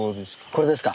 これですか？